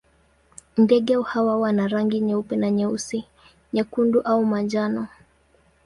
Ndege hawa wana rangi nyeupe na nyeusi, nyekundu au ya manjano.